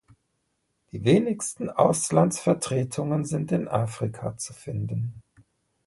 Die wenigsten Auslandsvertretungen sind in Afrika zu finden.